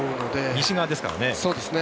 西側ですからね。